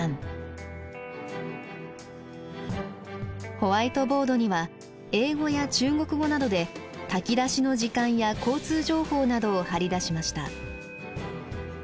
ホワイトボードには英語や中国語などで炊き出しの時間や交通情報などを貼り出しました。